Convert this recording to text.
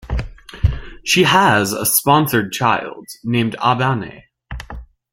She has a sponsored child named Abanne.